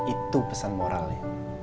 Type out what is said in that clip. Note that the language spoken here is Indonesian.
itu pesan moralnya